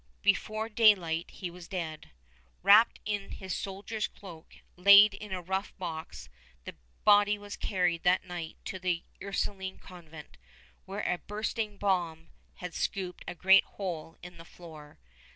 Before daylight, he was dead. Wrapped in his soldier's cloak, laid in a rough box, the body was carried that night to the Ursuline Convent, where a bursting bomb had scooped a great hole in the floor.